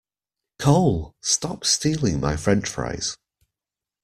Cole, stop stealing my french fries!